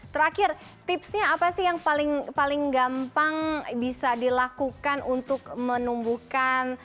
terakhir tipsnya apa sih yang paling gampang bisa dilakukan untuk menumbuhkan